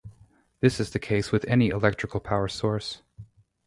This is the case within any electric power source.